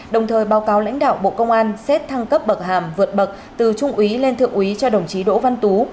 đồng thời báo cáo lãnh đạo bộ công an xét thăng cấp bậc hàm vượt bậc từ trung úy lên thượng úy cho đồng chí đỗ văn tú